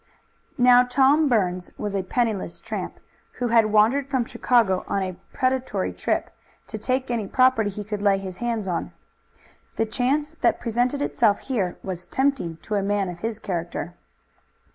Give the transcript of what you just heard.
Now Tom Burns was a penniless tramp, who had wandered from Chicago on a predatory trip, to take any property he could lay his hands on. The chance that presented itself here was tempting to a man of his character.